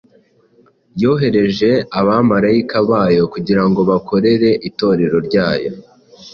Yohereje abamarayika bayo kugira ngo bakorere Itorero ryayo,